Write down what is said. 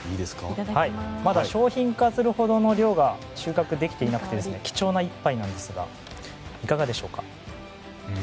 まだ商品化するほどの量が収穫できていなくて貴重な１杯なんですがいかがでしょうか？